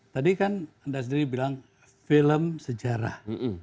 tadi kan anda sendiri bilang film sejarah